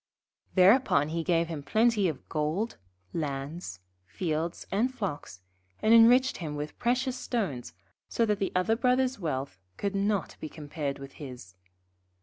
Thereupon he gave him plenty of gold, lands, fields, and flocks, and enriched him with precious stones, so that the other Brother's wealth could not be compared with his.